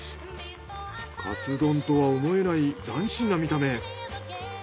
カツ丼とは思えない斬新な見た目。